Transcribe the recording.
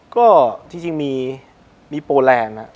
ก็ที่จริงมีมีโปแลนด์อะ